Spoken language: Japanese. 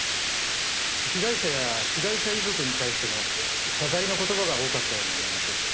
被害者や被害者遺族に対しての謝罪の言葉が多かったように思います。